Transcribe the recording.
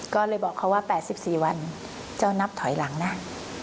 ก็เลยบอกเขาว่า๘๔วันเจ้านับถอยหลังนะ